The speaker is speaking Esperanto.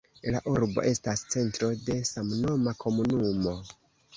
La urbo estas centro de samnoma komunumo.